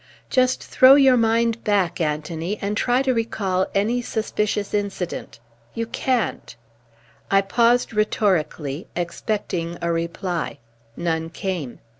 Just throw your mind back, Anthony, and try to recall any suspicious incident. You can't." I paused rhetorically, expecting a reply. None came.